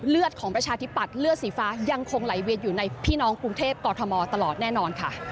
ของประชาธิปัตย์เลือดสีฟ้ายังคงไหลเวียนอยู่ในพี่น้องกรุงเทพกอทมตลอดแน่นอนค่ะ